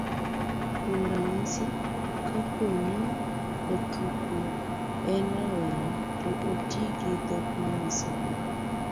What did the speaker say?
kuom ranyisi, kapo ni jatuko en rawera, to oti gi dhok manyiso ni